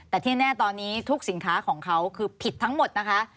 แต่ที่แน่ตอนนี้ทุกสินค้าของเขาคือผิดทั้งหมดนะคะ